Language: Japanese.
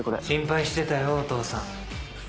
心配してたよお父さん。